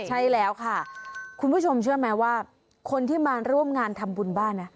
ใช่แล้วค่ะคุณผู้ชมเชื่อไหมว่าคนที่มาร่วมงานทำบุญบ้านนะ